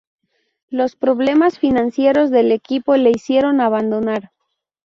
Los problemas financieros del equipo le hicieron abandonar.